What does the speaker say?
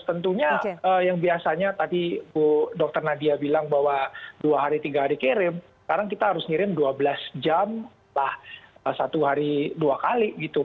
tentunya yang biasanya tadi dokter nadia bilang bahwa dua hari tiga hari kirim sekarang kita harus ngirim dua belas jam lah satu hari dua kali gitu